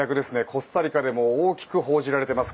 コスタリカでも大きく報じられています。